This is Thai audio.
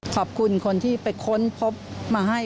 ขอบคุณคนที่ไปค้นพบมาให้